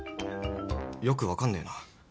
よく分かんねえな。